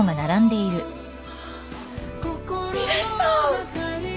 皆さん。